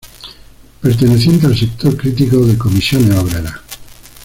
Perteneciente al Sector Crítico de Comisiones Obreras.